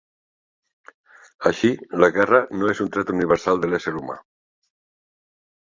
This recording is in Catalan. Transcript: Així, la guerra no és un tret universal de l'ésser humà.